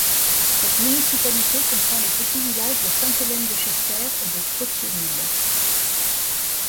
Cette municipalité comprend les petits villages de Sainte-Hélène de Chester et de Trottier Mill.